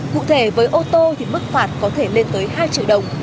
cụ thể với ô tô thì mức phạt có thể lên tới hai triệu đồng